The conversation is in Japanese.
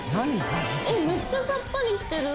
めっちゃさっぱりしてる。